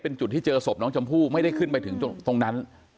เป็นจุดที่เจอศพน้องชมพู่ไม่ได้ขึ้นไปถึงตรงนั้น